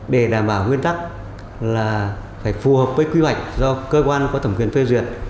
để đảm bảo nguyên tắc là phải phù hợp với quy hoạch do cơ quan có thẩm quyền phê duyệt